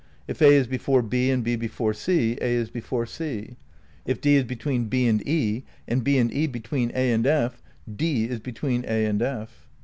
(If A is before B and B before C, A is before C. If D is between B and E, and B and E between A and F, D is between A and F.)